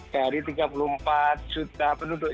dari tiga puluh empat juta penduduk